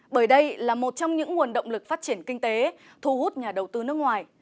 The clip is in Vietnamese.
bởi đây là một trong những nguồn động lực phát triển kinh tế thu hút nhà đầu tư nước ngoài